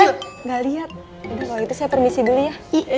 kalau gitu saya permisi dulu ya